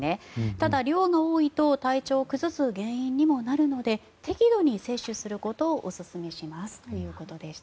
ただ量が多いと体調を崩す原因にもなるので適度に摂取することをお勧めしますということでした。